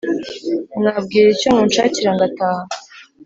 mwabwira icyo munshakira ngataha”